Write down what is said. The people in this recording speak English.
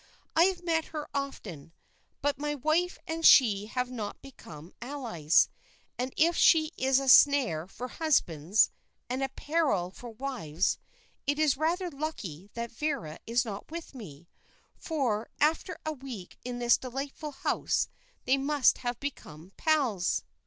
I have met her often, but my wife and she have not become allies; and if she is a snare for husbands and a peril for wives, it's rather lucky that Vera is not with me, for after a week in this delightful house they must have become pals."